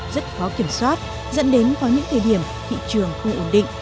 rất khó kiểm soát dẫn đến có những thời điểm thị trường không ổn định